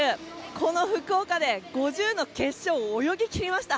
この福岡で５０ｍの決勝泳ぎ切りました。